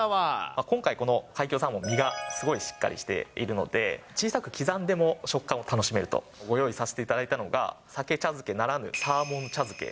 今回、この海峡サーモン、身がすごいしっかりしているので、小さく刻んでも食感を楽しめると、ご用意させていただいたのが、サケ茶漬けならぬサーモン茶漬け。